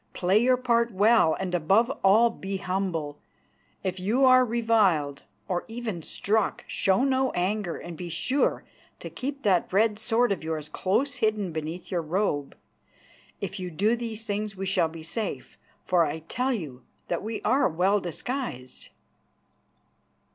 "Play your part well, and, above all, be humble. If you are reviled, or even struck, show no anger, and be sure to keep that red sword of yours close hidden beneath your robe. If you do these things we shall be safe, for I tell you that we are well disguised."